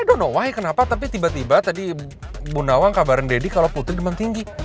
ya i don't know why kenapa tapi tiba tiba tadi bu nawang kabarin daddy kalo putri demam tinggi